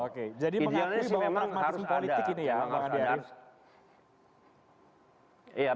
oke jadi mengakui bahwa pragmatisme politik ini ya bang adian